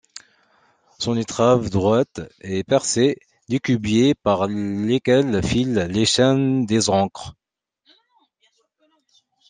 Son étrave droite est percée d’écubiers par lesquels filent les chaînes des ancres.